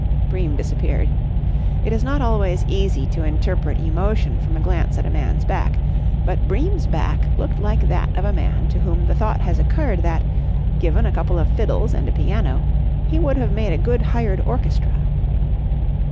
Bream disappeared. It is not always easy to interpret emotion from a glance at a man's back; but Bream's back looked like that of a man to whom the thought has occurred that, given a couple of fiddles and a piano, he would have made a good hired orchestra.